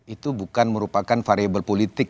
itu bukan merupakan variable politik